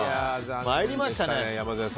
参りましたね。